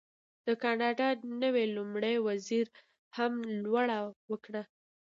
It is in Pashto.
د کاناډا نوي لومړي وزیر هم لوړه وکړه.